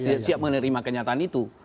tidak siap menerima kenyataan itu